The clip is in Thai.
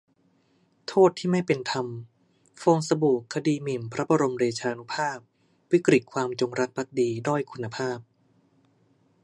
'โทษที่ไม่เป็นธรรม' : ฟองสบู่คดีหมิ่นพระบรมเดชานุภาพ วิกฤตความจงรักภักดีด้อยคุณภาพ